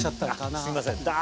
すいません